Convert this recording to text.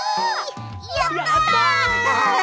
やった！